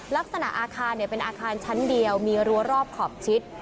ลักษณะอาคารเป็นอาคารชั้นเดียวมีรั้วรอบขอบชิด